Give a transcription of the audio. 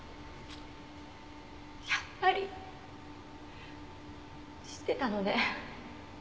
やっぱり知ってたのね。